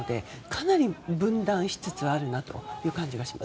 かなり分断しつつあるなという感じがします。